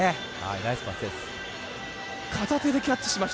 ナイスパスです。